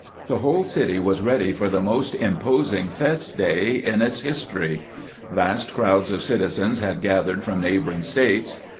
The whole city was ready for the 506 CAMPAIGNING WITH GRANT most imposing fete day in its history. Vast crowds of citizens had gathered from neighboring States.